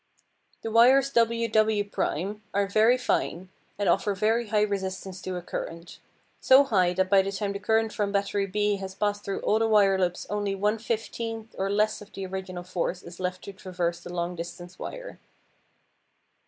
The wires WW' are very fine, and offer very high resistance to a current; so high that by the time the current from battery B has passed through all the wire loops only one fifteenth or less of the original force is left to traverse the long distance wire.